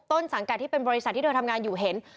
ต้นสังกัดที่เป็นบริษัทที่เธอทำงานอยู่เห็น